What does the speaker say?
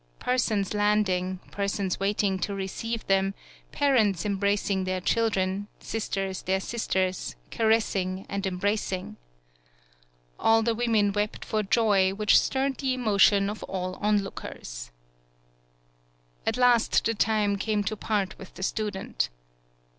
Per sons landing, persons waiting to receive them, parents embracing their children, sisters their sisters, caressing and em bracing! All the women wept for joy, which stirred the emotion of all onlook ers. 161 PAULOWNIA At last the time came to part with the student.